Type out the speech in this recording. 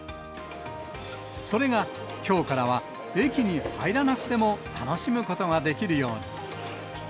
それがきょうからは駅に入らなくても楽しむことができるように。